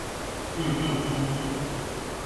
日漸親近